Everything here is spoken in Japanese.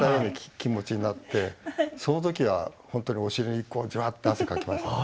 気持ちになってその時は本当にお尻にこうじわっと汗かきましたね。